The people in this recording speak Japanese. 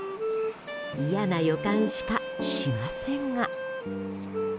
嫌な予感しかしませんが。